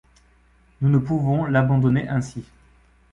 Nous ne pouvons l’abandonner ainsi !